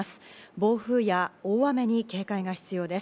暴風や大雨に警戒が必要です。